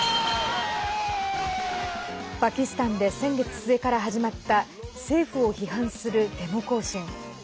パキスタンで先月末から始まった政府を批判するデモ行進。